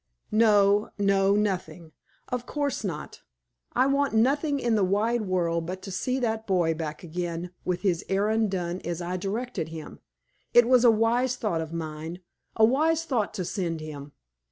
"No no; nothing. Of course not. I want nothing in the wide world but to see that boy back again, with his errand done as I directed him. It was a wise thought of mine a wise thought to send him.